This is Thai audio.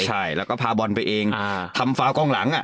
ใช่แล้วก็พาบอลไปเองทำฟ้ากล้องหลัง